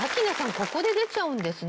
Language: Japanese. ここで出ちゃうんですね。